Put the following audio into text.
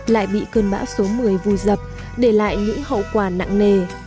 lại bị cơn bão số một mươi vùi dập để lại những hậu quả nặng nề